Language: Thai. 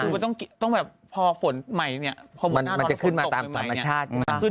คือว่าต้องแบบพอฝนถูกได่มันจะขึ้นมาตามธรรมชาติ